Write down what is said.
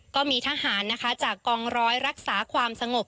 ก็มีทหารนะคะจากกองร้อยรักษาความสงบ